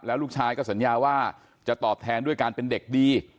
ลูกชายก็สัญญาว่าจะตอบแทนด้วยการเป็นเด็กดี